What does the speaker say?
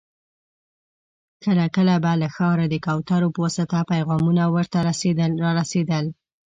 کله کله به له ښاره د کوترو په واسطه پيغامونه ور ته را رسېدل.